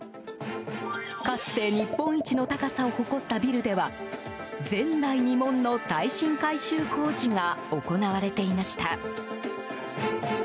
かつて日本一の高さを誇ったビルでは前代未聞の耐震改修工事が行われていました。